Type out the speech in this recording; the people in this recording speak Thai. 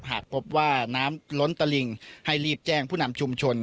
หากพบว่าน้ำล้นตะลิงให้รีบแจ้งผู้นำชุมชน